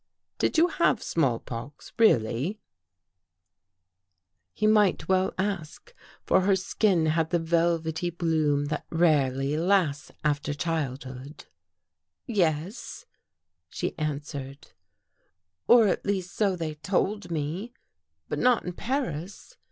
Did you have small pox, really? " 292 THE WATCHERS AND THE WATCHED He might well ask, for her skin had the velvety bloom that rarely lasts after childhood. " Yes,'' she answered, " or at least so they told me. But not in Paris.